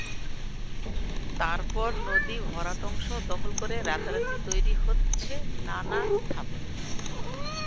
তারপর নদীর ভরাট অংশ দখল করে রাতারাতি তৈরি হচ্ছে নানা স্থাপনা।